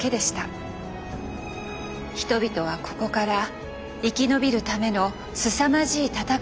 人々はここから生き延びるためのすさまじい戦いを開始するのです。